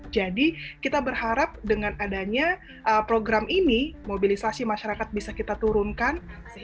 jadi kita berharap dengan adanya program ini mobilisasi masyarakat bisa kita turunkan